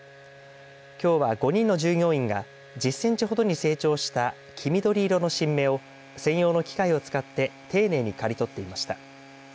きょうは、５人の従業員が１０センチほどに成長した黄緑色の新芽を専用の機械を使って丁寧に刈り取っていました。